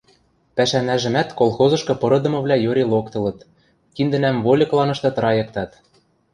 Пӓшӓнӓжӹмӓт колхозышкы пырыдымывлӓ йори локтылыт, киндӹнӓм вольыкланышты трайыктат